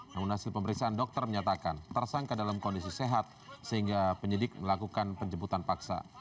namun hasil pemeriksaan dokter menyatakan tersangka dalam kondisi sehat sehingga penyidik melakukan penjemputan paksa